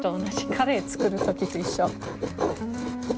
カレー作る時と一緒。